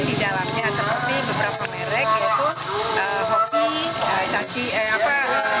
kita juga memberikan edukasi sekaligus juga